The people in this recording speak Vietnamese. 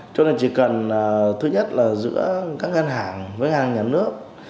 cho nên chỉ cần thứ nhất là giữa các ngân hàng với hàng nhà nước